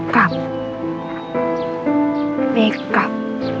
กลับไม่กลับ